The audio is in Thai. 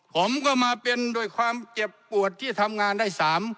ผมก็มาเป็นด้วยความเจ็บปวดที่ทำงานได้๓